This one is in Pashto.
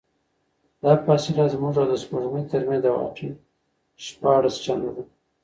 دا فاصله زموږ او د سپوږمۍ ترمنځ د واټن شپاړس چنده ده.